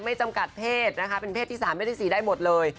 ไม่จำกัดเพศเป็นเพศที่๓ได้หมดเลย